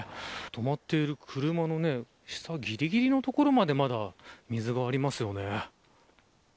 止まっている車の下ぎりぎりの所までまだ水がありますよね。